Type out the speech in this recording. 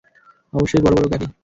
অবশ্যই বড় বড় গাড়ী!